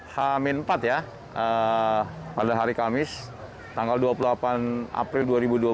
hamin empat ya pada hari kamis tanggal dua puluh delapan april dua ribu dua puluh